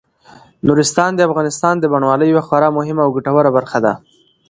نورستان د افغانستان د بڼوالۍ یوه خورا مهمه او ګټوره برخه ده.